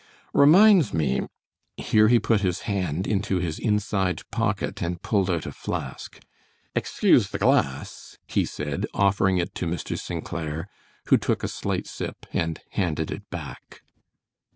"Reminds me" here he put his hand into his inside pocket and pulled out a flask, "excuse the glass," he said, offering it to Mr. St. Clair, who took a slight sip and handed it back.